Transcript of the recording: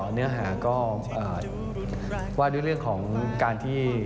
เนื้อหาก็ว่าด้วยเรื่องของการที่